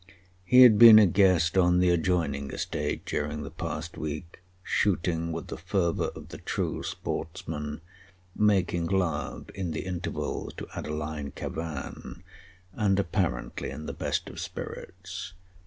He had been a guest on the adjoining estate during the past week, shooting with the fervor of the true sportsman, making love in the intervals to Adeline Cavan, and apparently in the best of spirits.